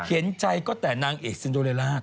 เห็นใจก็แต่นางเอกซินโดเลล่า